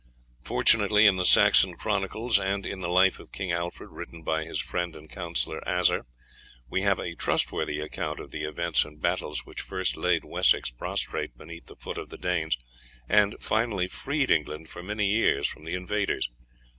Fortunately in the Saxon Chronicles and in the life of King Alfred written by his friend and counsellor Asser, we have a trustworthy account of the events and battles which first laid Wessex prostrate beneath the foot of the Danes, and finally freed England for many years from the invaders.